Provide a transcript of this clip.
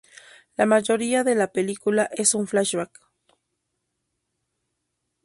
La mayoría de la película es un flashback.